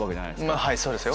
まぁはいそうですよ。